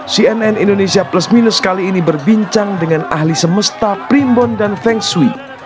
cnn indonesia plus minus kali ini berbincang dengan ahli semesta primbon dan feng shui